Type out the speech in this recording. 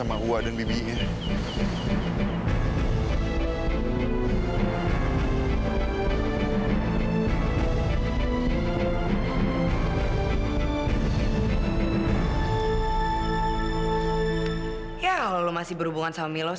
mas iyasi rumuh kehilangan